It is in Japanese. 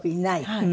はい。